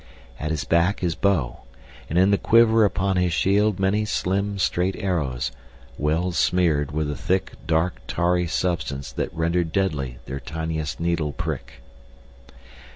At his back his bow, and in the quiver upon his shield many slim, straight arrows, well smeared with the thick, dark, tarry substance that rendered deadly their tiniest needle prick.